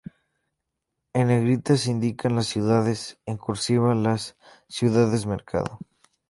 En negrita se indican las ciudades, en "cursiva" las ciudades-mercado.